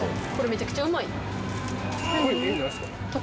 めちゃくちゃうまい。